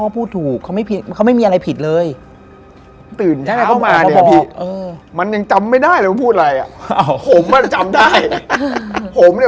มึงเดินหลุดกำแพงออกมาเลย